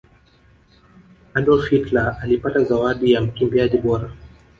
adolf hitler alipata zawadi ya mkimbiaji bora